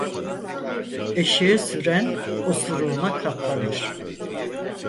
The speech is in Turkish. Eşeği süren osuruğuna katlanır.